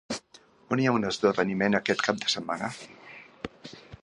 On hi ha un esdeveniment aquest cap de setmana?